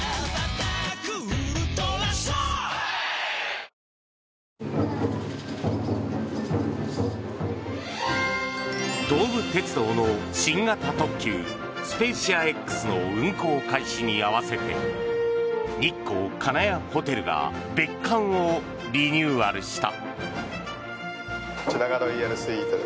日光を代表する老舗ホテルは東武鉄道の新型特急スペーシアＸの運行開始に合わせて日光金谷ホテルが別館をリニューアルした。